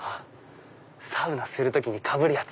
サウナする時にかぶるやつ。